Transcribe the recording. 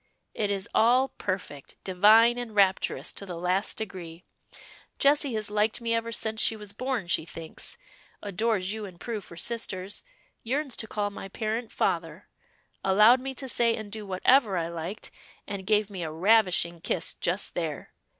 "It is all perfect, divine, and rapturous, to the last degree. Jessie has liked me ever since she was born, she thinks; adores you and Prue for sisters; yearns to call my parent father; allowed me to say and do whatever I liked; and gave me a ravishing kiss just there.